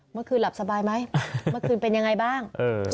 เมื่อคืนหลับสบายไหมเมื่อคืนเป็นยังไงบ้าง